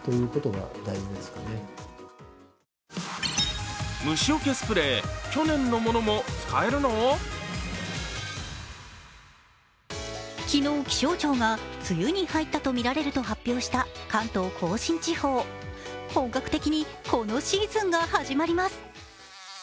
心がけてほしいのは昨日、気象庁が梅雨に入ったとみられると発表した関東甲信地方、本格的にこのシーズンが始まります。